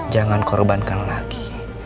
jangan korbankan lagi